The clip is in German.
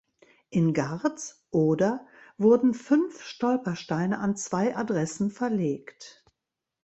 In Gartz (Oder) wurden fünf Stolpersteine an zwei Adressen verlegt.